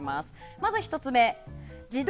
まず１つ目自動